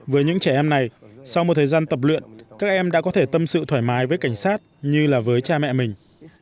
với những trẻ em này sau một thời gian tập luyện các em đã có thể tâm sự thoải mái với cảnh sát như là với cha mẹ mình